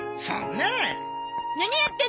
そんなあ。